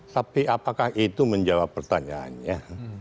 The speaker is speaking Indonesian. tapi apakah itu menjawab pertanyaannya